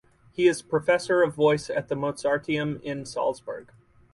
He is professor of voice at the Mozarteum in Salzburg.